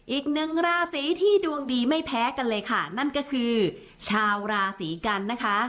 อีกหนึ่งราศีที่ดวงดีไม่แพ้กันเลยค่ะนั่นก็คือชาวราศีกันนะคะ